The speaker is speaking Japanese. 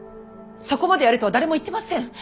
そこまでやれとは誰も言ってません。